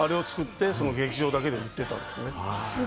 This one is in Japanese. あれを作って劇場だけで売ってたんですね。